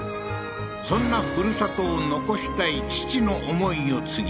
そんなふるさとを残したい父の思いを継ぎ